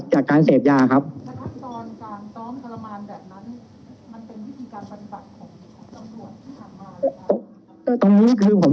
แล้วถ้าตอนการซ้อมทรมานแบบนั้นมันเป็นวิธีการปฏิบัติของจังหวัดที่ถังมาหรือเปล่า